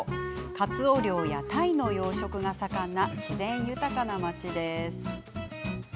かつお漁や鯛の養殖が盛んな自然豊かな町です。